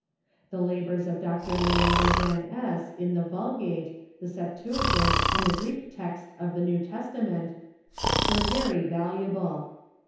The labors of Dr. Leander Van Ess in the Vulgate, the Septuagint, and the Greek text of the New Testament Avere very valuable.